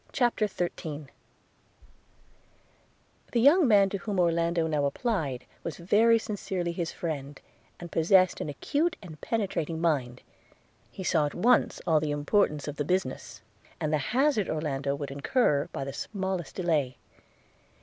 CHAPTER XIII THE young man to whom Orlando now applied, was very sincerely his friend, and possessed an acute and penetrating mind. – He saw at once all the importance of the business, and the hazard Orlando would incur by the smallest delay.